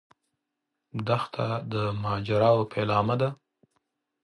دښته د ماجراوو پیلامه ده.